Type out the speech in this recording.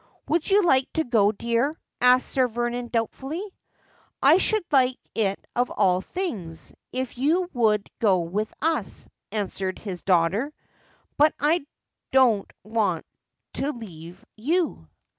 ' Would you like to go, dear ?' asked Sir Vernon doubtfully. ' I should like it of all things, if you would go with us,' answered his daughter ;' but I don't want to leave you.'